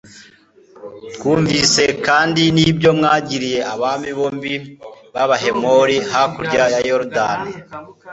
twumvise kandi n'ibyo mwagiriye abami bombi b'abahemori hakurya ya yorudani